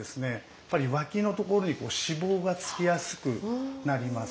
やっぱり脇のところに脂肪がつきやすくなります。